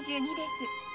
２２です。